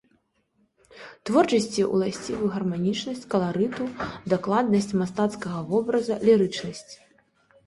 Творчасці ўласцівы гарманічнасць каларыту, дакладнасць мастацкага вобраза, лірычнасць.